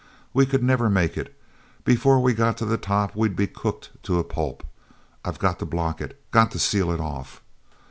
We could never make it—before we got to the top we'd be cooked to a pulp. I've got to block it, got to seal it off."